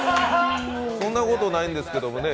そんなことないんですけどもね。